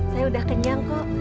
saya udah kenyang kok